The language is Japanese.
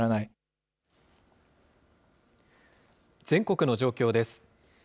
全国の状況です。